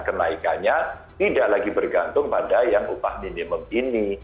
kenaikannya tidak lagi bergantung pada yang upah minimum ini